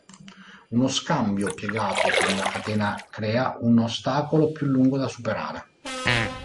Uno scambio piegato con una catena crea un ostacolo più lungo da superare.